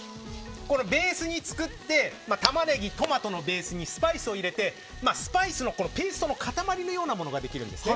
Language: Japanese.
ベースを作ってタマネギ、トマトのベースにスパイスを入れてスパイスのペーストの塊みたいなものができるんですね。